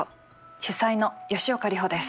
主宰の吉岡里帆です。